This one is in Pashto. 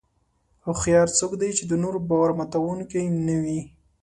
هوښیار څوک دی چې د نورو باور ماتوونکي نه وي.